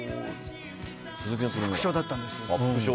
副賞だったんです。